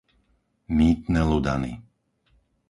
Mýtne Ludany